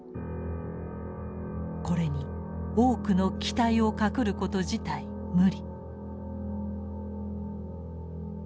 これに多くの期待をかくること自体無理」。